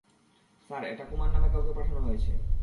Sir, এটা কুমার নামে কাউকে পাঠানো হয়েছে।